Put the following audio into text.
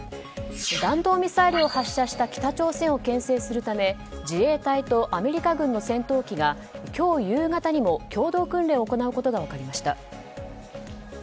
弾道ミサイルを発射した北朝鮮を牽制するため自衛隊とアメリカ軍の戦闘機が今日夕方にも共同訓練を行うことが分かりました。